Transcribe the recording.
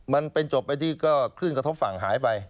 มันเป็นจบไปที่ก็คลื่นกระทบฝั่งหายไป